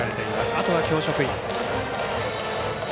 あとは教職員。